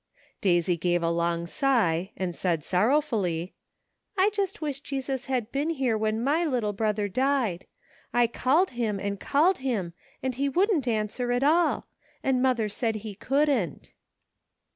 Daisy gave a long sigh, and said sorrowfully : NIGHT WORK, 105 "I just wish Jesus had been here when my little brother died. I called him and called him, and he wouldn't answer at all ; and mother said he couldn't."